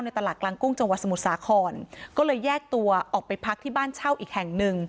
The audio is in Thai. ตลาดกลางกุ้งจังหวัดสมุทรสาครก็เลยแยกตัวออกไปพักที่บ้านเช่าอีกแห่งหนึ่ง